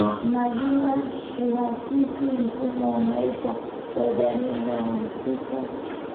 Majina huakisi mfumo wa maisha ya jamii inayohusika